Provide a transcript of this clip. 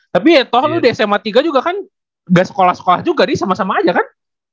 tapi ya toh lu di sma tiga juga kan gak sekolah sekolah juga nih sama sama aja kan